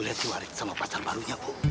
lu lihat si warid sama pasal barunya bu